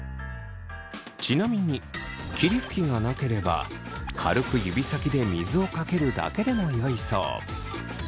ちなみに霧吹きがなければ軽く指先で水をかけるだけでもよいそう。